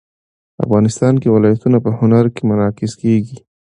افغانستان کې ولایتونه په هنر کې منعکس کېږي.